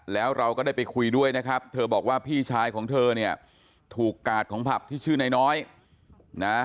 แล้วเราก็ได้ไปคุยด้วยนะครับเธอบอกว่าพี่ชายของเธอเนี่ยถูกกาดของผับที่ชื่อนายน้อยนะ